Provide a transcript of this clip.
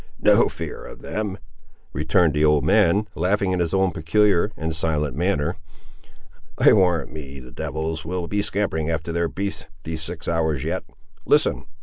"No fear of them," returned the old man, laughing in his own peculiar and silent manner; "I warrant me the devils will be scampering after their beasts these six hours yet! Listen!